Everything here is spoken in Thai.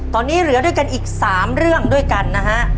ตอนนี้เหลือด้วยกันอีก๓เรื่องด้วยกันนะฮะ